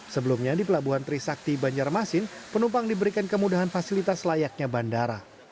sebelumnya di pelabuhan trisakti banjarmasin penumpang diberikan kemudahan fasilitas layaknya bandara